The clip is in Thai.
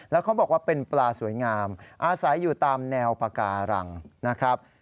แล้วเขาบอกว่าเป็นปลาสวยงามอาศัยอยู่ตามแนวปาการังนะครับ